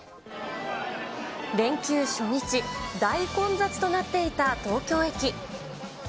連休初日、大混雑となっていた東京駅。